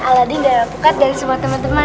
aladin dan alpukat dan semua teman teman